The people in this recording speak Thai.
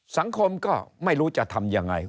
สังคมก็ไม่รู้จะทำยังไง